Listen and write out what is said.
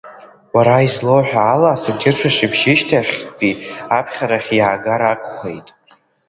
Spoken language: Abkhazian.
Уара излоуҳәо ала, астудентцәа шьыбжьышьҭахьтәи аԥхьарахь ииаагар акәхеит.